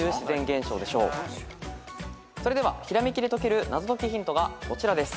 それではひらめきで解ける謎解きヒントがこちらです。